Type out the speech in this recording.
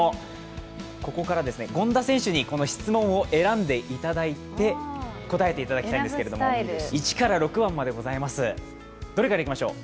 ここから権田さんにこの質問を選んでいただいて答えていただきたいんですけれども、１６、どれからいきましょう。